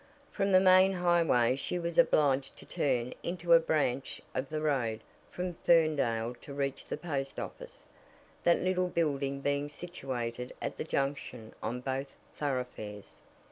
From the main highway she was obliged to turn into a branch of the road from Ferndale to reach the post office, that little building being situated at the junction of both thoroughfares.